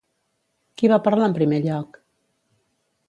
Qui va parlar en primer lloc?